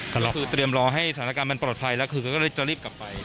คือเตรียมรอให้สถานการณ์มันปลอดภัยแล้วคือก็เลยจะรีบกลับไป